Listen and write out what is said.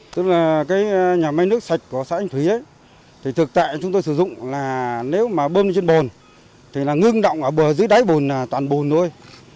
tức là nhà máy nước sạch của xã thanh thủy thực tại chúng tôi sử dụng là nếu mà bơm lên trên bồn thì ngưng động ở dưới đáy bùn toàn bùn thôi